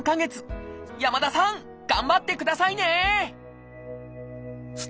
山田さん頑張ってくださいね！